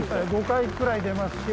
５回くらい出ますし。